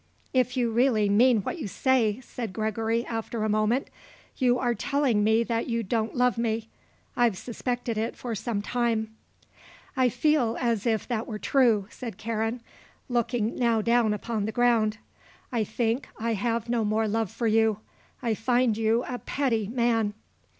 "If you really mean what you say," said Gregory, after a moment, "you are telling me that you don't love me. I've suspected it for some time." "I feel as if that were true," said Karen, looking now down upon the ground. "I think I have no more love for you. I find you a petty man."